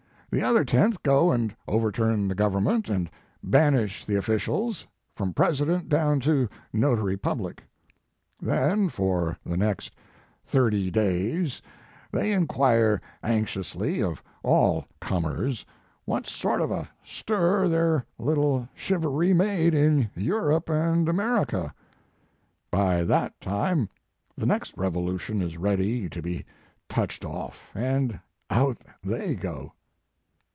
The other tenth go and overturn the Government and banish the officials, from president down to notary public. Then for the next thirty days they inquire anxiously of all comers what sort of a stir their little shivaree made in Europe and America! By that time the next revolution is ready to be touched off, and out they go."